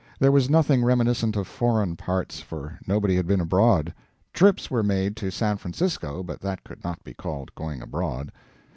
There was nothing reminiscent of foreign parts, for nobody had been abroad. Trips were made to San Francisco, but that could not be called going abroad.